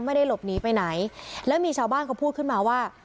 ไม่ได้หลบหนีไปไหนแล้วมีชาวบ้านเขาพูดขึ้นมาว่า